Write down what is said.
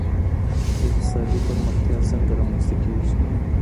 اقتصادي پرمختیا څنګه رامنځته کیږي؟